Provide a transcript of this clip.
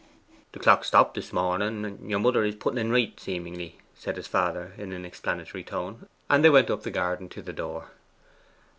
'The clock stopped this morning, and your mother in putting en right seemingly,' said his father in an explanatory tone; and they went up the garden to the door.